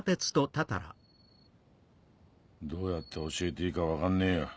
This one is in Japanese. どうやって教えていいか分かんねえよ。